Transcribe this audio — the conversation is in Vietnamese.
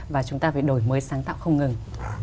và chúng ta phải đổi mới sáng tạo không ngừng